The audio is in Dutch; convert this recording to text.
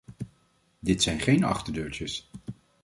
Dit zijn geen achterdeurtjes.